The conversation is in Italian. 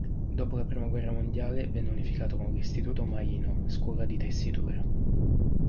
Dopo la prima guerra mondiale venne unificato con l'istituto "Maino", scuola di tessitura.